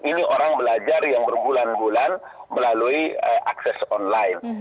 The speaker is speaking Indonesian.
ini orang belajar yang berbulan bulan melalui akses online